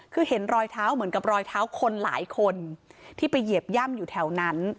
คือเห็นรอยเท้าเหมือนกับรอยเท้าคนหลายคนที่ไปเหยียบย่ำอยู่แถวนั้น